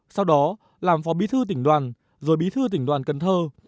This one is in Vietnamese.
sau đó làm phó bí thư tỉnh đoàn rồi bí thư tỉnh đoàn cần thơ